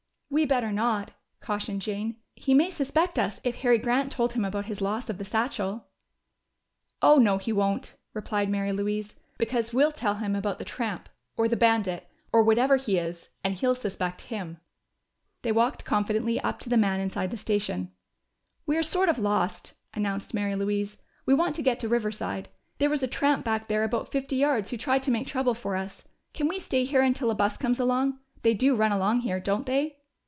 "We better not!" cautioned Jane. "He may suspect us, if Harry Grant told him about his loss of the satchel." "Oh no, he won't," replied Mary Louise. "Because we'll tell him about the tramp, or the bandit, or whatever he is and he'll suspect him." They walked confidently up to the man inside the station. "We're sort of lost," announced Mary Louise. "We want to get to Riverside. There was a tramp back there about fifty yards who tried to make trouble for us. Can we stay here until a bus comes along they do run along here, don't they?"